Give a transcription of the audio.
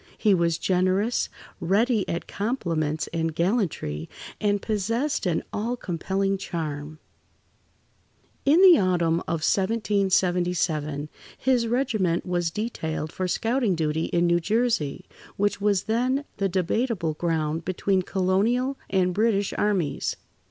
He was generous, ready at compliments and gallantry, and possessed an all compelling charm. In the autumn of 1777, his regiment was detailed for scouting duty in New Jersey, which was then the debatable ground between colonial and British armies.